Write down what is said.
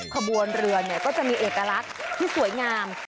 ขบวนเรือก็จะมีเอกลักษณ์ที่สวยงาม